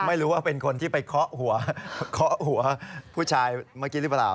ไม่รู้ว่าเป็นคนที่ไปเคาะหัวเคาะหัวผู้ชายเมื่อกี้หรือเปล่า